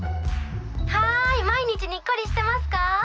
はい毎日ニッコリしてますか？